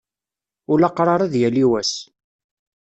Ulaqṛaṛ ad yali wass.